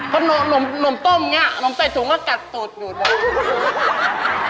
เพราะนมต้มเนี่ยนมใส่ถุงก็กัดตูดดูดแบบนี้